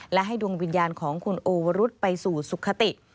และให้ดวงวิญญาณของคุณโอวรุษไปสู่สุขติ